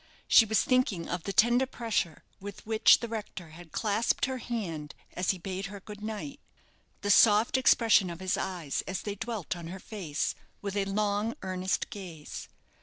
She was thinking of the tender pressure with which the rector had clasped her hand as he bade her good night; the soft expression of his eyes as they dwelt on her face, with a long, earnest gaze.